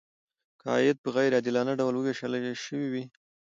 که عاید په غیر عادلانه ډول ویشل شوی وي.